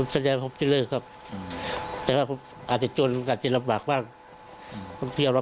แสดงว่าผมจะเลิกครับแต่ว่าผมอาจจะจนอาจจะลำบากบ้างท่องเที่ยวแล้ว